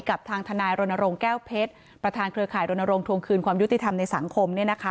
กับทางทนายรณรงค์แก้วเพชรประธานเครือข่ายรณรงควงคืนความยุติธรรมในสังคม